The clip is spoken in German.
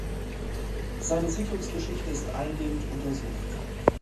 Seine Siedlungsgeschichte ist eingehend untersucht.